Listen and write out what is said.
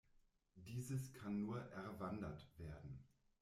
Dieses kann nur „erwandert“ werden.